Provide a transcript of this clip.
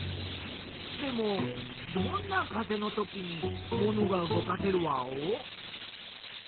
でもどんな風のときにものが動かせるワオ？